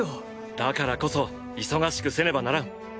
だからこそ忙しくせねばならん。